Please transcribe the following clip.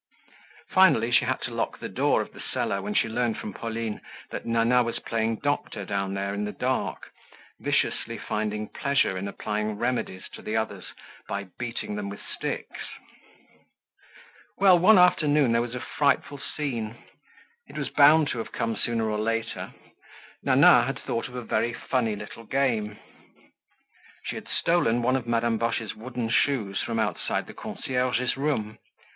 Finally she had to lock the door of the cellar when she learned from Pauline that Nana was playing doctor down there in the dark, viciously finding pleasure in applying remedies to the others by beating them with sticks. Well, one afternoon there was a frightful scene. It was bound to have come sooner or later. Nana had thought of a very funny little game. She had stolen one of Madame Boche's wooden shoes from outside the concierge's room.